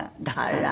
あら。